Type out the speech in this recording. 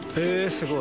すごい。